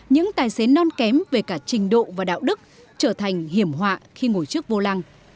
những tài xế non kém về cả trình độ và đạo đức trở thành hiểm họa khi ngồi trước vô lăng